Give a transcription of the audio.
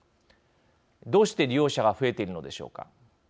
どうして利用者が増えているのでしょうか。